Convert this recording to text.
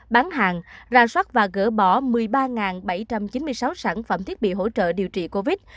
bán hàng ra soát và gỡ bỏ một mươi ba bảy trăm chín mươi sáu sản phẩm thiết bị hỗ trợ điều trị covid